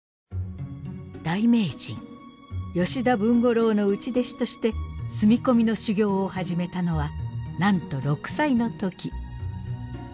大名人吉田文五郎の内弟子として住み込みの修業を始めたのはなんと６歳の時。